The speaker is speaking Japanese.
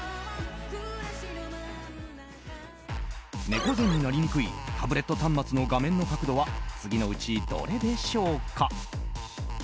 猫背になりにくいタブレット端末の画面の角度は次のうちどれでしょうか。